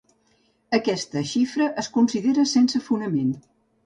Aquesta xifra es considera sense fonament.